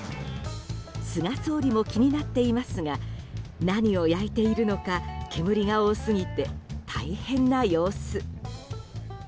菅総理も気になっていますが何を焼いているのか煙が多すぎて大変な様子。